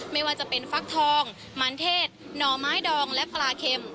ไม่ว่าจะเป็นฟักทองมันเทศหน่อไม้ดองและปลาเข็ม